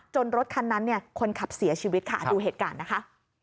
รถคันนั้นเนี่ยคนขับเสียชีวิตค่ะดูเหตุการณ์นะคะ